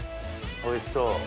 おいしそう！